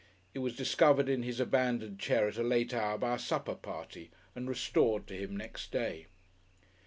(It was discovered in his abandoned chair at a late hour by a supper party, and restored to him next day.)